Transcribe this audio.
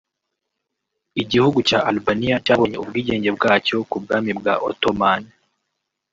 Igihugu cya Albania cyabonye ubwigenge bwacxyo ku bwami bwa Ottoman